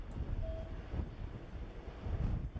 صالح نارينه زيات مهر اخيستونکې کورنۍ ته مرکه نکوي.